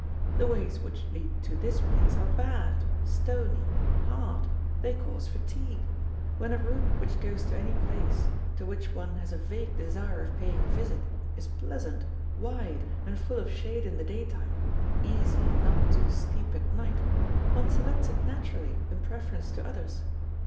"The ways which lead to this place are bad, stony, hard; they cause fatigue. When a route which goes to any place, to which one has a vague desire of paying a visit, is pleasant, wide, and full of shade in the daytime, easy and not too steep at night, one selects it naturally in preference to others.